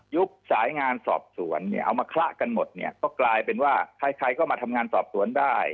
สายงานสอบสวนเนี่ยเอามาคละกันหมดเนี่ยก็กลายเป็นว่าใครก็มาทำงานสอบสวนได้